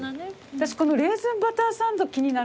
私このレーズンバターサンド気になるんだけど。